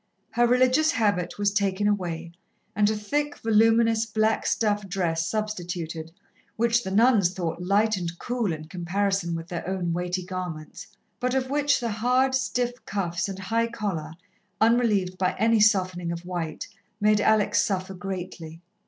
Her religious habit was taken away, and a thick, voluminous, black stuff dress substituted, which the nuns thought light and cool in comparison with their own weighty garments, but of which the hard, stiff cuffs and high collar, unrelieved by any softening of white, made Alex suffer greatly.